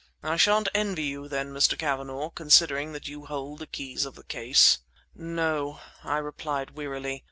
I shan't envy you then, Mr. Cavanagh, considering that you hold the keys of the case!" "No," I replied wearily.